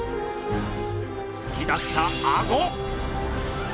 つき出したアゴ！